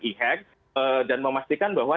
e hack dan memastikan bahwa